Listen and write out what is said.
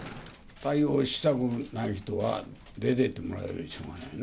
対応したくない人は出ていってもらうよりしょうがないよね。